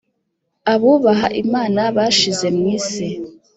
Abubaha Imana bashize mu isi